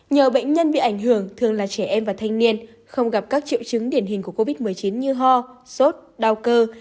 nhờ bệnh nhân bị ảnh hưởng thường là trẻ em và thanh niên không gặp các triệu chứng điển hình của covid một mươi chín như ho sốt đau cơ